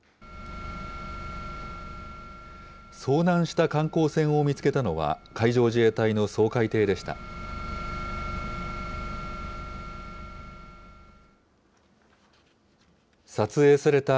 遭難した観光船を見つけたのは、海上自衛隊の掃海艇でした。